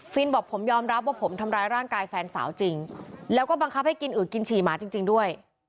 บอกผมยอมรับว่าผมทำร้ายร่างกายแฟนสาวจริงแล้วก็บังคับให้กินอึกกินฉี่หมาจริงด้วย